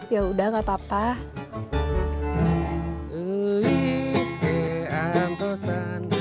yaudah nggak apa apa